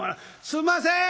「すんません！